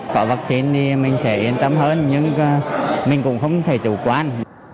có vaccine thì mình sẽ yên tâm hơn nhưng mình cũng không thể chủ quan